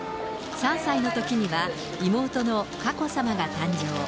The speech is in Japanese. ３歳のときには、妹の佳子さまが誕生。